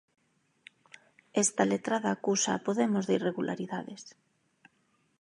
Esta letrada acusa a podemos de irregularidades.